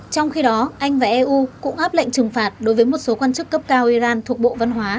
trong khi đó anh và eu cũng áp lệnh trừng phạt đối với một số quan chức cấp cao iran thuộc bộ văn hóa